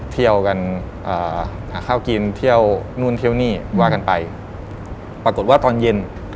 เที่ยวกันอ่าหาข้าวกินเที่ยวนู่นเที่ยวนี่ว่ากันไปปรากฏว่าตอนเย็น